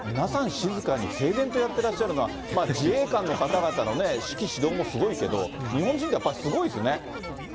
静かに、整然とやってらっしゃるのは、まあ自衛官の方々の指揮、指導もすごいけど、日本人ってやっぱりすごいですね。